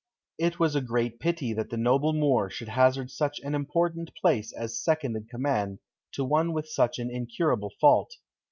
It was a great pity that the noble Moor should hazard such an important place as second in command to one with such an incurable fault.